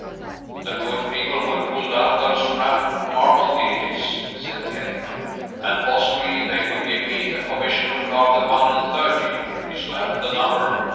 "The good people would pull down those rampant marble deities," said Kenyon, "and, possibly, they would give me a commission to carve the one and thirty (is that the number?)